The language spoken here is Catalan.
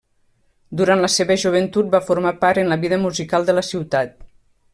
Durant la seva joventut va formar part en la vida musical de la ciutat.